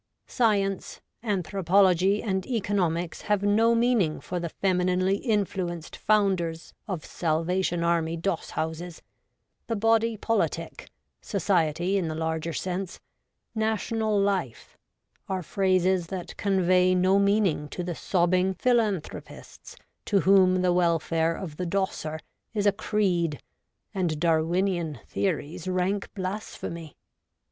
Science, anthropology, and economics have no meaning for the femininely influenced founders of Salvation Army doss houses : the body politic — society, in the larger sense — national life, are phrases that convey no meaning to the sobbing philan thropists to whom the welfare of the dosser is a creed and Darwinian theories rank blasphemy.